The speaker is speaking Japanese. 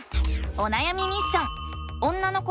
おなやみミッション！